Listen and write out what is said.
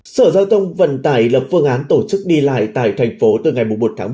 sở giao thông vận tải lập phương án tổ chức đi lại tại tp hcm từ ngày một một một mươi